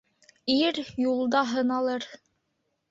Ир юлда һыналыр